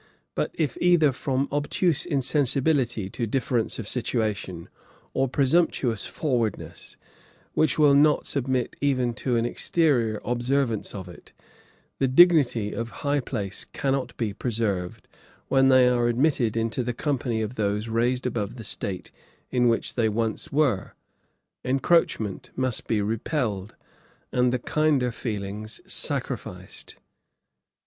But if either from obtuse insensibility to difference of situation, or presumptuous forwardness, which will not submit even to an exteriour observance of it, the dignity of high place cannot be preserved, when they are admitted into the company of those raised above the state in which they once were, encroachment must be repelled, and the kinder feelings sacrificed.